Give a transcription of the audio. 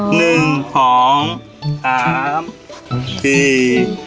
หนึ่งหอมสามสี่